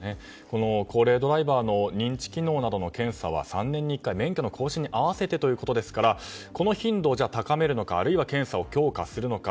高齢ドライバーの認知機能などの検査は３年に１回、免許の更新に合わせてということですからこの頻度を高めるのか調査を強化するのか。